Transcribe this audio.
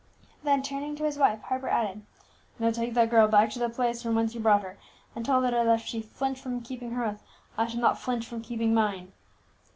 Then, turning to his wife, Harper added, "Now, take that girl back to the place from whence you brought her, and tell her that if she flinch from keeping her oath, I shall not flinch from keeping mine!"